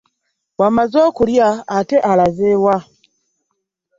Bw'amaze okulya ate alaze wa?